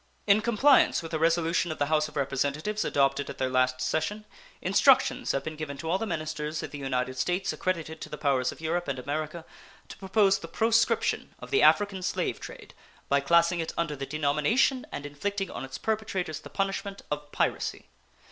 In compliance with a resolution of the House of Representatives adopted at their last session, instructions have been given to all the ministers of the United States accredited to the powers of Europe and America to propose the proscription of the African slave trade by classing it under the denomination, and inflicting on its perpetrators the punishment, of piracy.